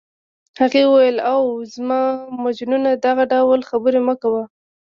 هغې وویل: اوه، زما مجنونه دغه ډول خبرې مه کوه.